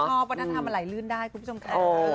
ชอบชอบว่าน่าทำอะไรลื่นได้คุณผู้ชมค่ะ